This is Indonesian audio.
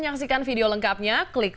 ya selamat malam